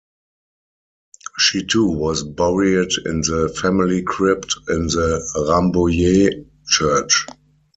She too was buried in the family crypt in the Rambouillet church.